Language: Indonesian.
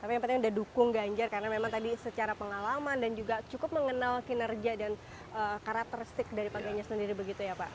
tapi yang penting sudah dukung ganjar karena memang tadi secara pengalaman dan juga cukup mengenal kinerja dan karakteristik dari pak ganjar sendiri begitu ya pak